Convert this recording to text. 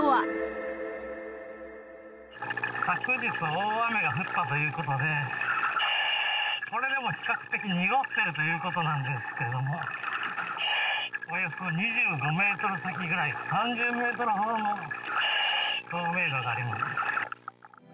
世界規模で白化現象が起こる中、昨日大雨が降ったということで、これでも比較的濁ってるということなんですけれども、およそ２５メートル先ぐらい、３０メートルほどの透明度がありますね。